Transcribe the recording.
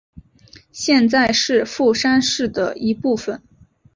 现在是富山市的一部分。